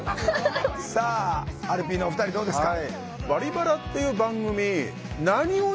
さあアルピーのお二人どうですか？